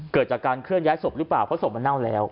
เกิดจากการเคลื่อนย้ายศพหรือเปล่าเพราะศพมันเน่าแล้ว